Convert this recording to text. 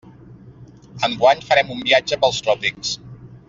Enguany farem un viatge pels tròpics.